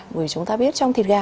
bởi vì chúng ta biết trong thịt gà